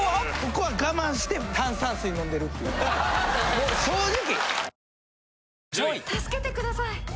もう正直。